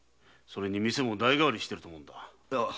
店も代替わりしてると思うんだが。